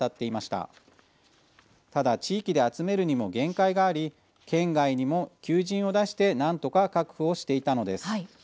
ただ、地域で集めるにも限界があり県外にも求人を出して何とか確保をしていたのです。